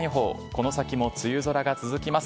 この先も梅雨空が続きます。